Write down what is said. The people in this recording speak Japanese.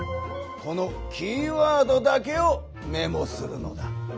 このキーワードだけをメモするのだ。